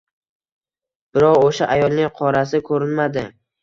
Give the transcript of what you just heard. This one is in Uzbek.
Biroq, o‘sha ayolning qorasi ko‘rinmadi